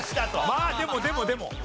まあでもでもでも。